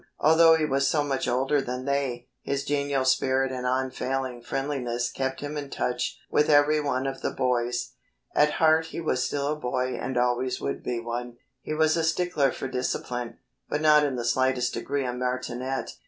Although he was so much older than they, his genial spirit and unfailing friendliness kept him in touch with every one of the boys. At heart he was still a boy and always would be one. He was a stickler for discipline, but not in the slightest degree a martinet.